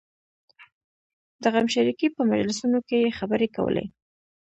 د غمشریکۍ په مجلسونو کې یې خبرې کولې.